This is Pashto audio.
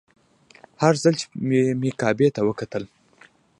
هر ځل چې به مې کعبې ته وکتل.